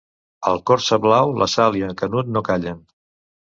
Al Corsa blau la Sal i el Canut no callen.